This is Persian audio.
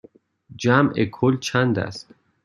جمع کل چند است؟